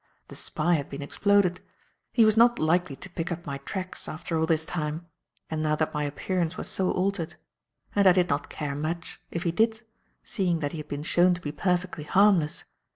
The spy had been exploded. He was not likely to pick up my tracks after all this time and now that my appearance was so altered; and I did not care much if he did seeing that he had been shown to be perfectly harmless.